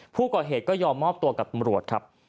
ผู้ก่อเหตุก็ยอมมอบตัวกับตำรวจครับ